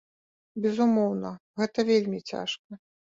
Безумоўна, гэта вельмі цяжка.